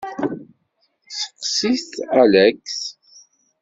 Seqsit Alex.